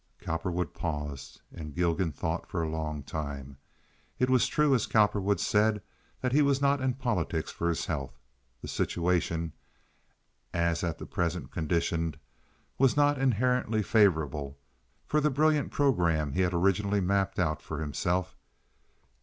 Cowperwood paused, and Gilgan thought for a long time. It was true, as Cowperwood said, that he was not in politics for his health. The situation, as at present conditioned, was not inherently favorable for the brilliant programme he had originally mapped out for himself.